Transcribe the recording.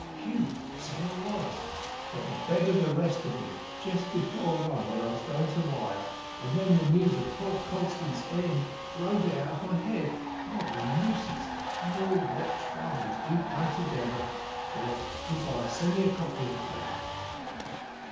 "Whew! so I was. But the beggars arrested me just before one, when I was going to wire, and then the news of poor Constant's end drove it out of my head. What a nuisance! Lord, how troubles do come together! Well, good by, send me a copy of the paper."